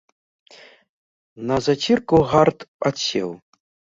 На зацірку гарт адсеў.